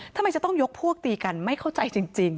ทำไมจะต้องยกพวกตีกันไม่เข้าใจจริง